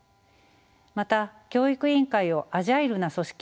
また教育委員会をアジャイルな組織